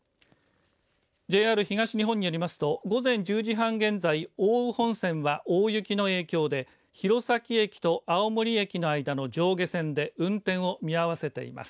ＪＲ東日本によりますと午前１０時半現在奥羽本線は、大雪の影響で弘前駅と青森駅の間の上下線で運転を見合わせています。